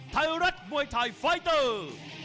ไทยรัฐมวยไทยไฟเตอร์